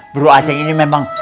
bro aceh ini memang